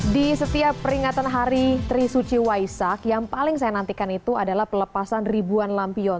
di setiap peringatan hari trisuci waisak yang paling saya nantikan itu adalah pelepasan ribuan lampion